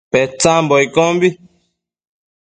Petsambo iccombi